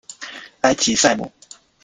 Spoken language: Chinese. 埃吉赛姆。